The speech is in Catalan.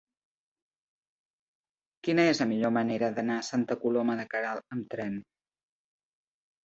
Quina és la millor manera d'anar a Santa Coloma de Queralt amb tren?